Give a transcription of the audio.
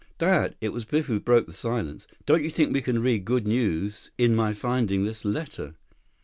"Dad." It was Biff who broke the silence. "Don't you think we can read good news in my finding this letter?"